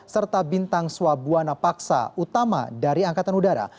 serta bintang swabuana paksa utama dari angkatan udara